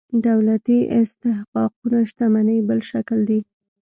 دولتي استحقاقونه شتمنۍ بل شکل دي.